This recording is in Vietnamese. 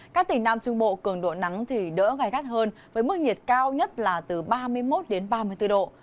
các tỉnh nam trung bộ cường độ nắng thì đỡ gai gắt hơn với mức nhiệt cao nhất là từ ba mươi một đến ba mươi bốn độ